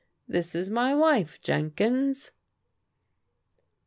This is my wife, Jenkins."